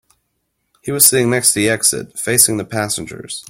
He was sitting next to the exit, facing the passengers.